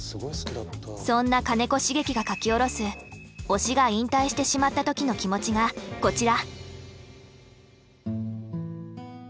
そんな金子茂樹が書き下ろす推しが引退してしまった時の気持ちがこちら。